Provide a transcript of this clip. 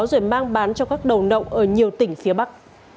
rồi mang bán cho các đầu nậu ở nhiều tỉnh phía bắc